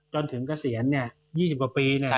จนถึงเกษียณ๒๐กว่าปี